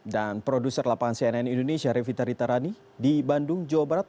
dan produser lapangan cnn indonesia revita ritarani di bandung jawa barat